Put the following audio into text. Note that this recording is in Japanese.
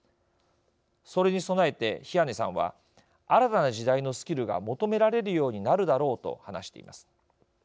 それに備えて比屋根さんは新たな時代のスキルが求められるようになるだろうと話しています。